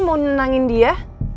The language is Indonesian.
mau nenangin dia